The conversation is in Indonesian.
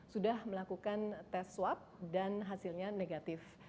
sudah melakukan tes swab dan hasilnya negatif